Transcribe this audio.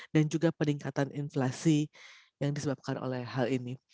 dan juga peringkatan inflasi yang disebabkan oleh hal ini